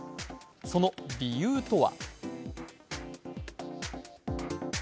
その理由とは？